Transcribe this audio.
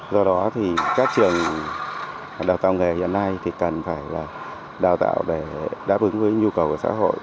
do đó thì các trường đào tạo nghề hiện nay thì cần phải đào tạo để đáp ứng với nhu cầu của xã hội